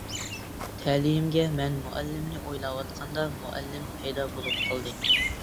تەلىيىمگە مەن مۇئەللىمنى ئويلاۋاتقاندا مۇئەللىم پەيدا بولۇپ قالدى.